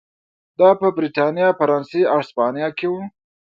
دا په برېټانیا، فرانسې او هسپانیا کې و.